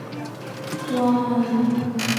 周达明貌似日本艺能界名人西城秀树。